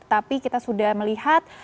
tapi kita sudah melihat